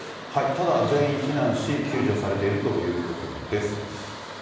ただ、全員避難し、救助されているということです。